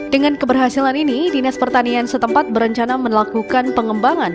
dengan keberhasilan ini dinas pertanian setempat berencana melakukan pengembangan